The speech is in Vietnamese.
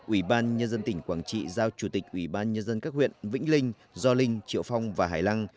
ubnd tỉnh quảng trị giao chủ tịch ubnd các huyện vĩnh linh gio linh triệu phong và hải lăng